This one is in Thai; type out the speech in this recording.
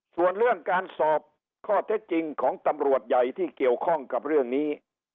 ส่วนเรื่องการสอบข้อเท็จจริงของตำรวจใหญ่ที่เกี่ยวข้องกับเรื่องนี้